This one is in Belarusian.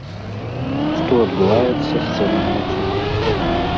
Што адбываецца з цэнамі на цукар?